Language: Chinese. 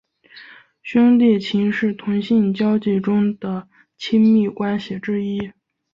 兄弟情是同性交际中的亲密关系之一。